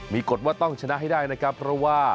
มีกฎว่าต้องชนะให้ได้นะครับเพราะว่า